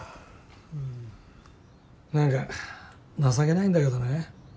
うん何か情けないんだけどね